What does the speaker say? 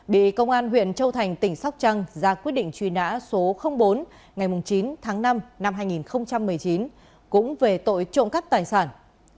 bị công an huyện châu thành tỉnh sóc trăng ra quyết định truy nã số bốn ngày chín tháng năm năm hai nghìn một mươi chín cũng về tội trộm cắt tài sản